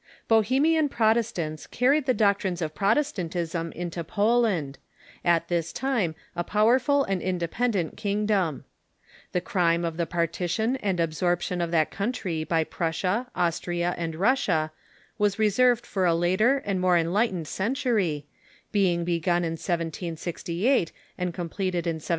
Bohemian Protestants carried the doctrines of Protestant ism into Poland, at this time a powerful and independent king „,_, dom. The crime of the partition and absorption of that Poland T T^ .»., r^ ■ country by Prussia, Austria, and Kussia was reserved for a later and more enlightened century, being begun in 1768 and completed in 1795.